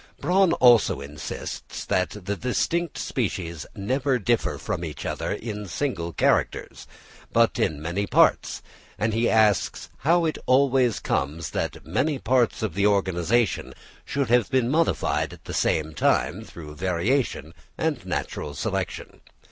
Bronn also insists that distinct species never differ from each other in single characters, but in many parts; and he asks, how it always comes that many parts of the organisation should have been modified at the same time through variation and natural selection?